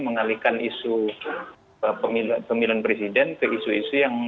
mengalihkan isu pemilihan presiden ke isu isu yang